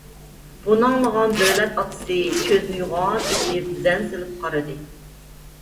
بۇنى ئاڭلىغان دۆلەت ئاتىسى كۆزىنى يوغان ئېچىپ زەن سېلىپ قارىدى.